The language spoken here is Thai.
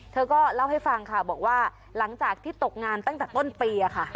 เธอก็เล่าให้ฟังเขาตกงานตั้งแต่ต้นปี